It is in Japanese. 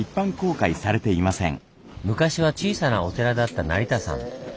昔は小さなお寺だった成田山。